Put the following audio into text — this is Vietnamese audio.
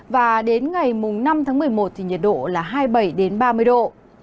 và đến ngày năm tháng một mươi một thì nhiệt độ là hai mươi bảy ba mươi độ